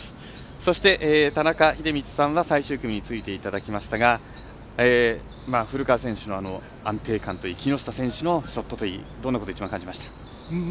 そして、田中秀道さんは最終組についていただきましたが古川選手の安定感といい木下選手のショットといいどんなことを一番、感じました？